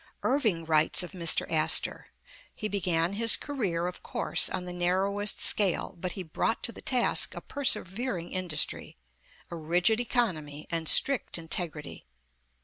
Irving writes of Mr. Astor: ^'He began his career, of course, on the narrowest scale; but he brought to the task a persevering industry, a rigid economy, and strict integrity.